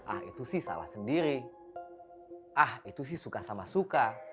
ah itu sih salah sendiri ah itu sih suka sama suka